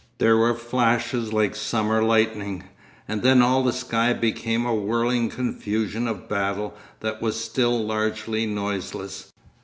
There were flashes like summer lightning; and then all the sky became a whirling confusion of battle that was still largely noiseless.